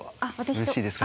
よろしいですか。